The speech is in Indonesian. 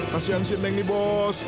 kasian sih neng nih bos